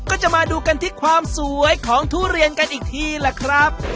ก็จะมาดูกันที่ความสวยของทุเรียนกันอีกทีล่ะครับ